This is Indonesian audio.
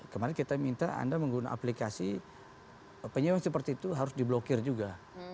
kemarin kita minta anda menggunakan aplikasi penyewa seperti itu harus diblokir juga